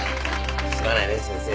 すまないね先生。